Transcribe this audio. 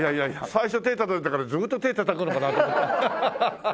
最初手たたいたからずっと手たたくのかなと思って。